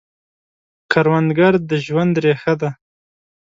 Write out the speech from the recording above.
کروندګر د ژوند ریښه ده